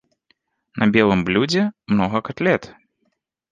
На белым блюдзе многа катлет.